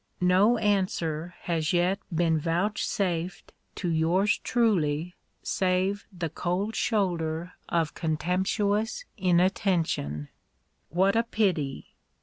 _ no answer has yet been vouchsafed to yours truly save the cold shoulder of contemptuous inattention! What a pity!